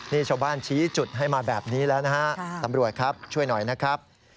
นี่ชาวบ้านชี้จุดให้มาแบบนี้แล้วนะฮะตำรวจครับช่วยหน่อยนะครับ